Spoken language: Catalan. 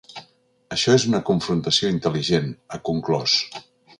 Això és una confrontació intel·ligent, ha conclòs.